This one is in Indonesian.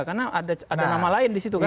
karena ada nama lain disitu kan